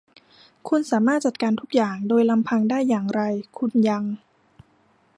คุณสามารถจัดการทุกอย่างโดยลำพังได้อย่างไร คุณยัง